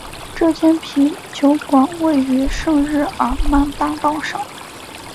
这间啤酒馆位于圣日耳曼大道上。